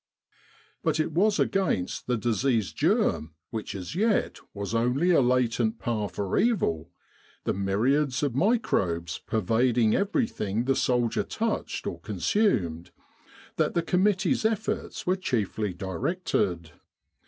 But it was against the disease germ which as yet was only a latent power for evil the myriads of mi crobes pervading everything the soldier touched or consumed that the committee's efforts were chiefly 226 The Medical Advisory Committee directed.